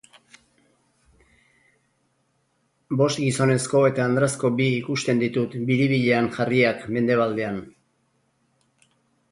Bost gizonezko eta andrazko bi ikusten ditut biribilean jarriak mendebaldean.